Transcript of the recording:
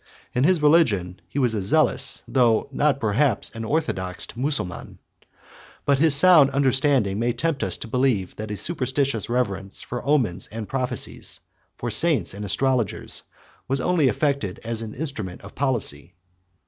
67 In his religion he was a zealous, though not perhaps an orthodox, Mussulman; 68 but his sound understanding may tempt us to believe, that a superstitious reverence for omens and prophecies, for saints and astrologers, was only affected as an instrument of policy.